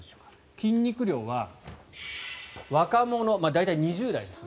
筋肉量は若者、大体２０代ですね